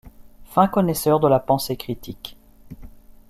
Fin connaisseur de la pensée critique.